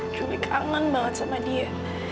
tapi kangen banget sama dia